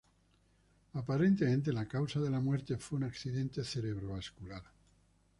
Aparentemente la causa de la muerte fue un accidente cerebrovascular.